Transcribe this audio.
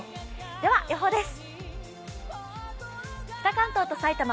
では予報です。